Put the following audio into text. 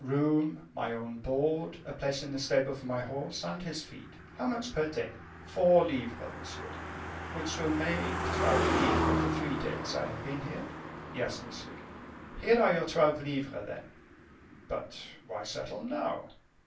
Room, my own board, a place in the stable for my horse, and his feed. How much per day?" "Four livres, monsieur." "Which will make twelve livres for the three days I have been here?" "Yes, monsieur." "Here are your twelve livres, then." "But why settle now?"